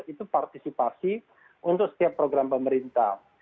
itu partisipasi untuk setiap program pemerintah